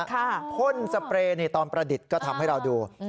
พ่นสเปรย์ตอนประดิษฐ์ก็ทำให้เราดู